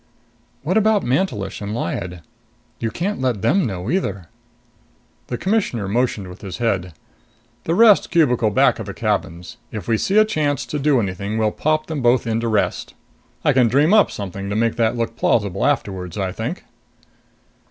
"What about Mantelish and Lyad? You can't let them know either." The Commissioner motioned with his head. "The rest cubicle back of the cabins. If we see a chance to do anything, we'll pop them both into Rest. I can dream up something to make that look plausible afterwards, I think."